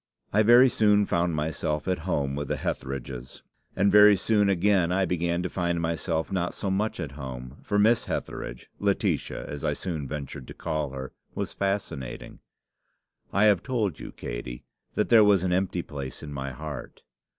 "I very soon found myself at home with the Hetheridges; and very soon again I began to find myself not so much at home; for Miss Hetheridge Laetitia as I soon ventured to call her was fascinating. I have told you, Katey, that there was an empty place in my heart.